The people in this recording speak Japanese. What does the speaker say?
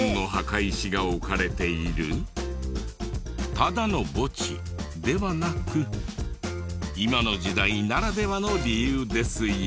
ただの墓地ではなく今の時代ならではの理由ですよ。